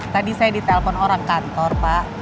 tadi saya di telpon orang kantor pak